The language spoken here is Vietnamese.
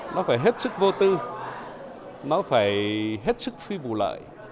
nó phải hết sức vô tư nó phải hết sức phi vụ lợi